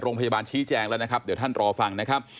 โรงพยาบาลชี้แจงแล้วนะครับเดี๋ยวท่านรอฟังนะครับ